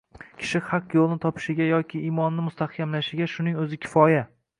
Kishi haq yo‘lni topishiga yoki imoni mustahkamlanishiga shuning o‘zi kifoya.